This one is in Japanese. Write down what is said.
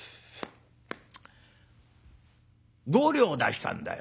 「５両出したんだよ。